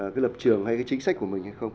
cái lập trường hay cái chính sách của mình hay không